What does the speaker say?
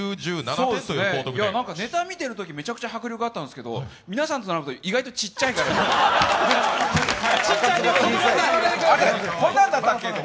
ネタ見てるとき、めちゃくちゃ迫力あったんですけど、皆さんと並ぶと意外とちっちゃいんだなって。